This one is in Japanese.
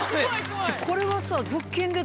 これはさ。